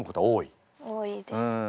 多いです。